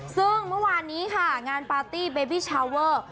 ซึ่งเมื่อวานนี้ค่ะงานปาร์ตี้เบบี้ชาวเวอร์